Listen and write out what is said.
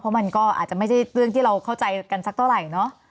เพราะมันก็อาจจะไม่ใช่เรื่องที่เราเข้าใจกันสักเท่าไหร่เนอะ